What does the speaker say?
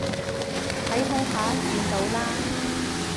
睇，睇下，見到啦？